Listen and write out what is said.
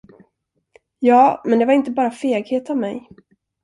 Ja, men det var inte bara feghet av mig.